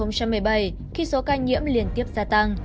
năm hai nghìn một mươi bảy khi số ca nhiễm liên tiếp gia tăng